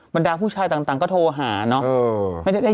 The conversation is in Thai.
บรรดาผู้ชายต่างก็โทรหาเนาะ